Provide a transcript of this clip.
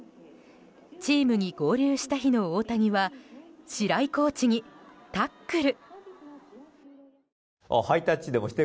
チームに合流した日の大谷は白井コーチにタックル！